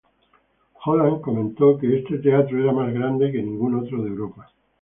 Holland comentó que este teatro era más grande que ningún otro de Europa.